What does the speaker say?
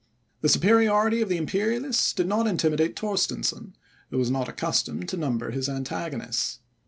The superiority of the Imperialists did not intimidate Torstensohn, who was not accustomed to number his antagonists.